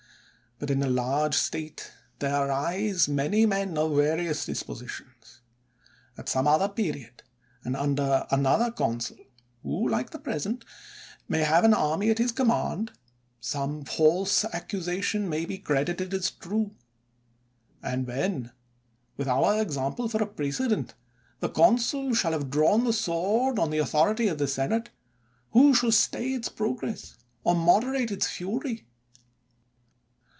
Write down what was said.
But in a large state there arise many men of various de positions. At some other period, and under an other consul, who, like the present, may have an army at his command, some false accusation may be credited as true ; and when, with our example 227 THE WORLD'S FAMOUS ORATIONS for a precedent, the consul shall have drawn the sword on the authority of the senate, who shall stay its progress, or moderate its fury?